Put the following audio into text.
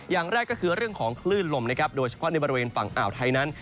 อย่างแรกก็คือเรื่องของคลื่นลมนะครับโดยเฉพาะในบริเวณฝั่งอ่าวไทยนั้น